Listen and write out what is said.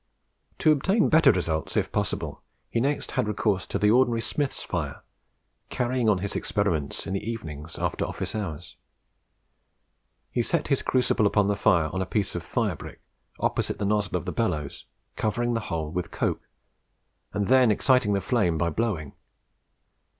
To obtain better results if possible, he next had recourse to the ordinary smith's fire, carrying on his experiments in the evenings after office hours. He set his crucible upon the fire on a piece of fire brick, opposite the nozzle of the bellows; covering the whole with coke, and then exciting the flame by blowing.